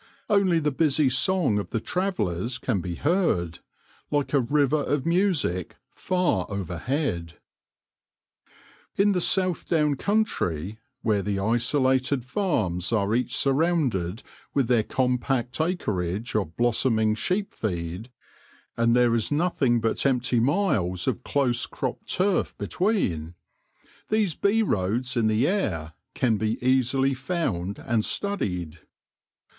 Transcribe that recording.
Only the busy song of the travellers can be heard, like a river of music, far overhead. In the South Down country, where the isolated farms are each surrounded with their compact acreage 156 THE LORE OF THE HONEY BEE of blossoming sheep feed, and there is nothing but empty miles of close cropped turf between, these bee roads in the air can be easily found and studied.